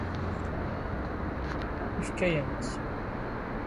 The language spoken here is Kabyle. Yefka-yam-tt.